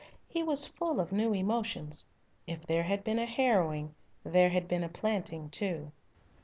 He was full of new emotions. If there had been a harrowing there had been a planting too.